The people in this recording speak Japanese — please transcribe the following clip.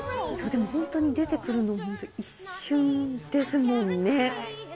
でも本当に出てくるの一瞬ですもんね。